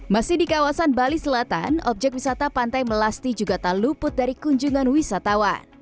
masih di kawasan bali selatan objek wisata pantai melasti juga tak luput dari kunjungan wisatawan